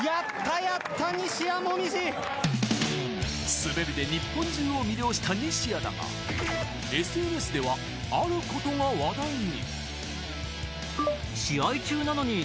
滑りで日本中を魅了した西矢だが、ＳＮＳでは、あることが話題に。